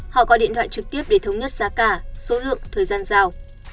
họ gọi điện thoại trực tiếp để thống nhất giá cả số lượng thời gian giao